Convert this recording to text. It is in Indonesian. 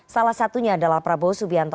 salah satunya adalah prabowo subianto